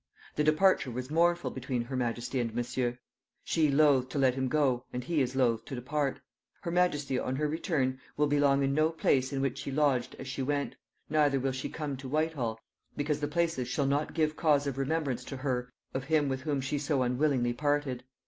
The departure was mournful between her majesty and Monsieur; she loth to let him go, and he as loth to depart. Her majesty on her return will be long in no place in which she lodged as she went, neither will she come to Whitehall, because the places shall not give cause of remembrance to her of him with whom she so unwillingly parted.